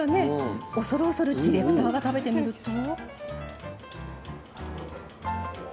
恐る恐るディレクターが食べてみると。